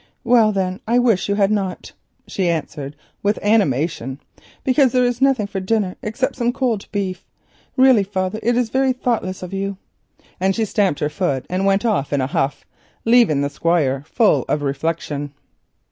"Well, then, I wish you had not," she answered with animation, "because there is nothing to eat except some cold beef. Really, father, it is very thoughtless of you;" and she stamped her foot and went off in a huff, leaving the Squire full of reflection.